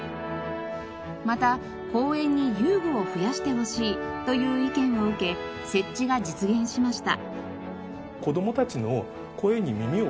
また公園に遊具を増やしてほしいという意見を受け設置が実現しました。